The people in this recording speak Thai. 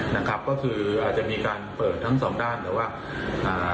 นะครับก็คืออาจจะมีการเปิดทั้งสองด้านแต่ว่าอ่า